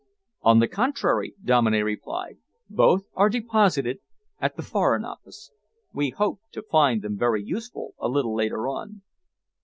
"On the contrary," Dominey replied, "both are deposited at the Foreign Office. We hope to find them very useful a little later on."